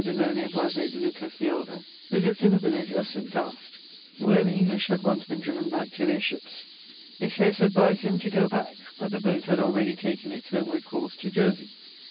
Delaunay Boisé Lucas the Elder, who lived in the village of Saint Gast, where the English had once been driven back to their ships: his host advised him to go back; but the boat had already taken its homeward course to Jersey.